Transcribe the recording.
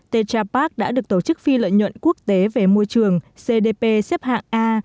tetrapark đã được tổ chức phi lợi nhuận quốc tế về môi trường cdp xếp hạng a